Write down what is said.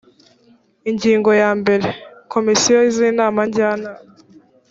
ingingo ya mbere komisiyo z inama njyanama